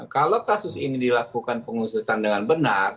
kalau kasus ini dilakukan pengusutan dengan benar